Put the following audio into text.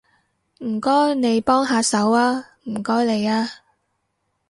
唔該你幫下手吖，唔該你吖